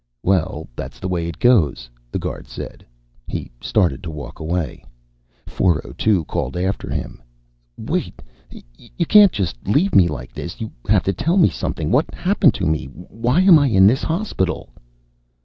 "Well, that's the way it goes," the guard said. He started to walk away. 402 called after him, "Wait! You can't just leave me like this, you have to tell me something. What happened to me? Why am I in this hospital?"